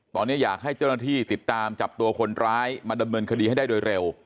ตอนนี้อยากให้เจ้าหน้าที่ติดตามจับตัวคนร้ายมาดำเนินคดีให้ได้โดยเร็ว